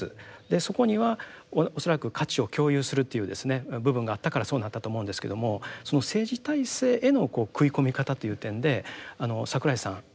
そこには恐らく価値を共有するという部分があったからそうなったと思うんですけどもその政治体制への食い込み方という点で櫻井さん。